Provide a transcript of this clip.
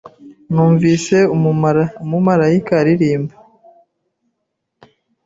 Numvise Umumarayika aririmba